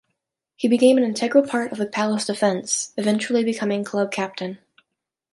He became an integral part of the Palace defence, eventually becoming club captain.